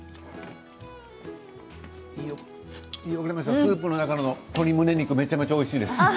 スープの中の鶏むね肉めちゃめちゃおいしいです。